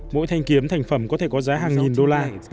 mỗi thanh kiếm thành phẩm có thể có giá hàng nghìn đô la